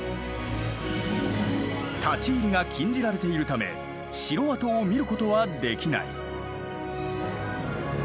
立ち入りが禁じられているため城跡を見ることはできない。